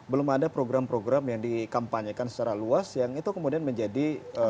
belum ada program program yang dikampanyekan secara luas yang itu kemudian menjadi